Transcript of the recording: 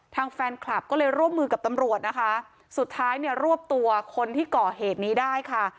ทางแฟนคลับก็เลยร่วมมือกับตำรวจนะคะสุดท้ายเนี่ยรวบตัวคนที่ก่อเหตุนี้ได้ค่ะ